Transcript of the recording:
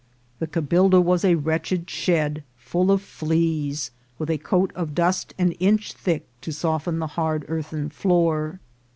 The ca bildo was a wretched shed, full of fleas, with a coat of dust an inch thick to soften the hard earthen floor.